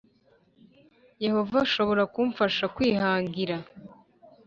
Yehova ashobora kumfasha kwihangira